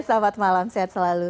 selamat malam sehat selalu